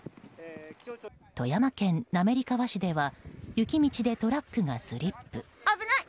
富山県滑川市では雪道でトラックがスリップ。